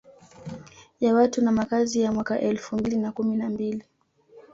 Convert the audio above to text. Ya watu na makazi ya mwaka elfu mbili na kumi na mbili